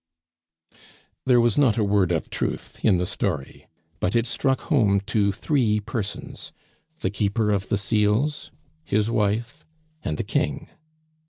There was not a word of truth in the story; but it struck home to three persons the Keeper of the Seals, his wife, and the King.